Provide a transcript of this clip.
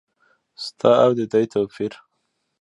ستا او د دوی توپیر ؟